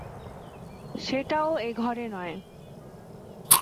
সেটাও এ ঘরে নয়।